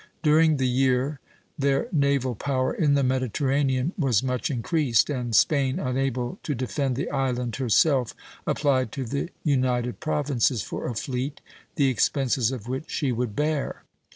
During the year their naval power in the Mediterranean was much increased, and Spain, unable to defend the island herself, applied to the United Provinces for a fleet, the expenses of which she would bear.